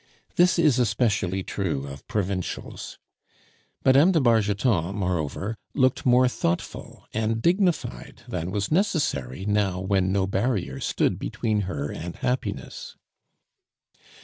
This is especially true of provincials. Mme. de Bargeton, moreover, looked more thoughtful and dignified than was necessary now, when no barriers stood between her and happiness.